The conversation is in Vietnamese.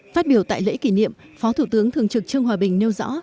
phát biểu tại lễ kỷ niệm phó thủ tướng thường trực trương hòa bình nêu rõ